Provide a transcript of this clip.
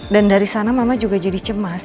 dari sana mama juga jadi cemas